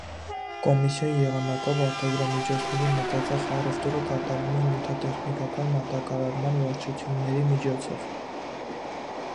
Կոմիսիոն եղանակով արտադրամիջոցների մեծածախ առևտուրը կատարվում է նյութատեխնիկական մատակարարման վարչությունների միջոցով։